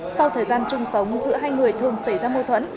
sau thời gian chung sống giữa hai người thường xảy ra mô thuẫn